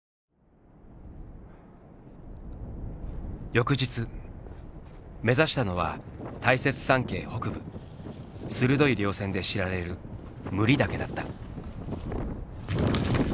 翌日目指したのは大雪山系北部鋭い稜線で知られる武利岳だった。